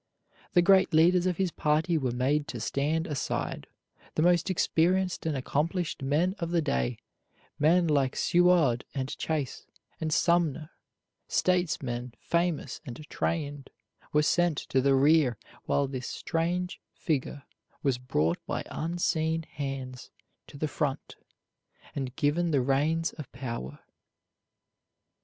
The great leaders of his party were made to stand aside; the most experienced and accomplished men of the day, men like Seward, and Chase, and Sumner, statesmen famous and trained, were sent to the rear, while this strange figure was brought by unseen hands to the front, and given the reins of power.